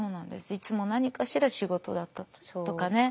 いつも何かしら仕事だったとかね。